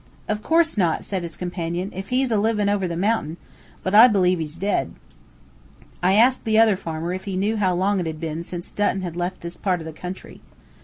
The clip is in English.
"Of course not," said his companion, "if he's a livin' over the mountain. But I b'lieve he's dead." I asked the other farmer if he knew how long it had been since Dutton had left this part of the country.